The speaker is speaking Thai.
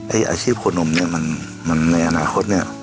อาชีพขวดนมเนี่ยมันในอนาคตเนี่ย